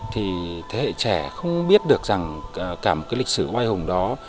thì thế hệ trẻ không biết được rằng cả một cái lịch sử hoai hồng đó